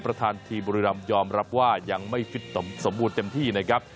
ประธานทีมบุรีรำยอมรับว่ายังไม่ฟิตสมบูรณ์เต็มที่นะครับ